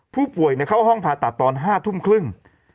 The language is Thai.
ผู้ป่วยเข้าห้องผ่าตัดตอน๕ทุ่มครึ่ง